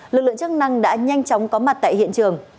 lực lượng chức năng đã nhanh chóng có mặt tại hiện trường